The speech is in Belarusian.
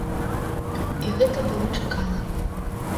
І гэта было чакана.